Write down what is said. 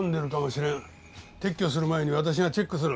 撤去する前に私がチェックする。